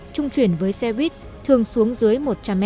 trung chuyển với xe buýt thường xuống dưới một trăm linh m